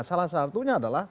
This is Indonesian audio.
salah satunya adalah